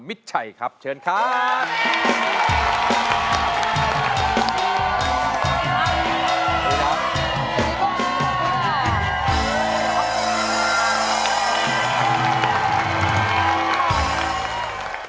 มิดชัยครับเชิญครับ